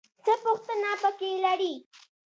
څه پوښتنه پکې لرې؟